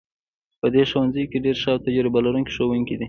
په دې ښوونځي کې ډیر ښه او تجربه لرونکي ښوونکي دي